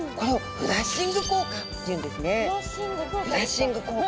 フラッシング効果ですか。